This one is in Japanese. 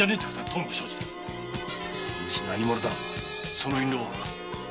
その印籠は？